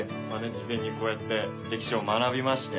事前にこうやって歴史を学びまして。